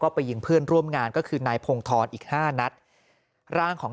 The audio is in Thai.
ไปยิงเพื่อนร่วมงานก็คือนายพงธรอีกห้านัดร่างของ